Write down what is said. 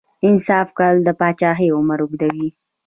انصاف کول د پاچاهۍ عمر اوږدوي.